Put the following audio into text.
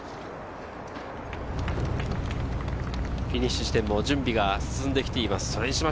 フィニッシュ地点も準備が進んできています。